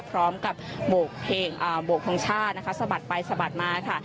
พร้อมกับโบกเพลงโบกพลังชาตินะคะสะบัดไปสะบัดมาค่ะ